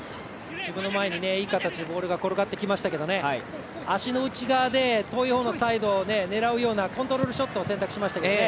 前にいい形でボール入っていきましたけど足の内側でサイドを狙うようなコントロールショットを狙いましたけど